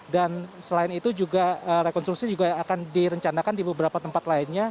dan selain itu juga rekonstruksi juga akan direncanakan di beberapa tempat lainnya